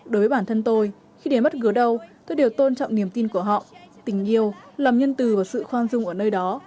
đối với bản thân tôi khi đến mất cứu đầu tôi đều tôn trọng niềm tin của họ tình yêu làm nhân tử và sự khoan dung ở nơi đó